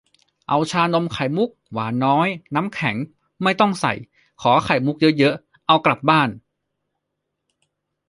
เอาชานมไข่มุก หวานน้อย น้ำแข็งไม่ต้องใส่ ขอไข่มุกเยอะ ๆ เอากลับบ้าน